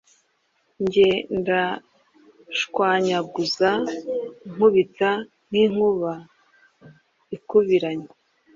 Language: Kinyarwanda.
nge ndashwanyaguza nkubita nk’inkuba ikubiranye...